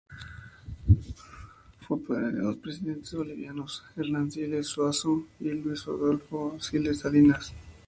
Fue padre de dos presidentes bolivianos: Hernán Siles Zuazo y Luis Adolfo Siles Salinas.